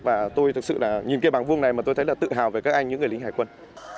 và tôi thực sự nhìn cây bàng vuông này tôi thấy tự hào về các anh những người lính hải quân